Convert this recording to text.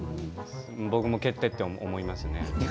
僕も蹴ってと思いますね。